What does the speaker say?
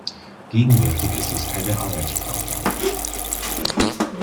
Gegenwärtig ist es keine Arbeitssprache.